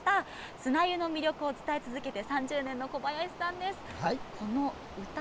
砂湯の魅力を伝え続けて３０年の小林さんです。